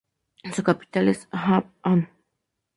Su capital es Hpa-An.